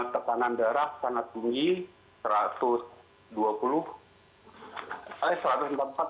tekanan darah panas tinggi